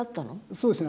そうですね。